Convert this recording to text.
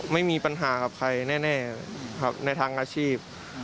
ไม่มีปัญหากับใครแน่ครับในทางอาชีพ